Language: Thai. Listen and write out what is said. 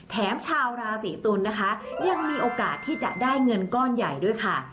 ชาวราศีตุลนะคะยังมีโอกาสที่จะได้เงินก้อนใหญ่ด้วยค่ะ